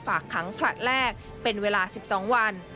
ฝากขังผลัดแรกเป็นเวลา๑๒วัน